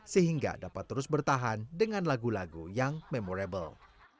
sehingga dapat terus bertahan dengan lagu lagu yang memorable